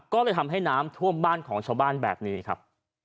ก็เลยทำให้น้ำท่วมบ้านของชาวบ้านแบบนี้ครับ